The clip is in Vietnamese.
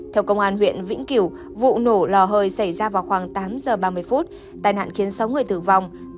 theo công an huyện vĩnh kiểu vụ nổ lò hơi xảy ra vào khoảng tám giờ ba mươi phút tài nạn khiến sáu người tử vong